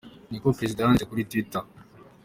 " ni ko prezida yanditse kuri Twitter.